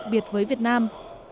biệt với việt nam